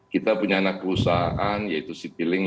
kita punya anak perusahaan yaitu citylink